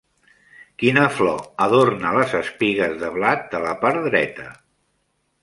Quina flor adorna les espigues de blat de la part dreta?